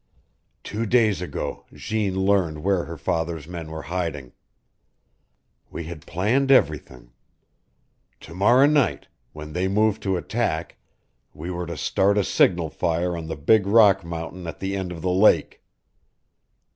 Two days ago Jeanne learned where her father's men were hiding. We had planned everything. To morrow night when they move to attack we were to start a signal fire on the big rock mountain at the end of the lake.